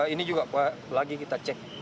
ini juga lagi kita cek